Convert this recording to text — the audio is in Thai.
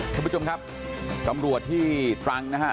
คุณผู้ชมครับกำลัวที่ตรังนะฮะ